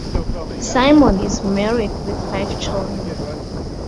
Simon is married with five children.